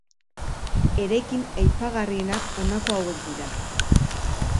Eraikin aipagarrienak honako hauek dira.